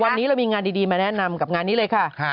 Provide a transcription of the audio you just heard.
วันนี้เรามีงานดีมาแนะนำกับงานนี้เลยค่ะ